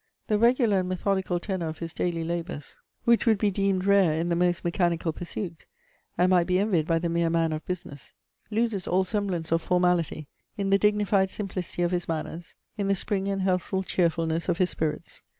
The regular and methodical tenor of his daily labours, which would be deemed rare in the most mechanical pursuits, and might be envied by the mere man of business, loses all semblance of formality in the dignified simplicity of his manners, in the spring and healthful cheerfulness of his spirits.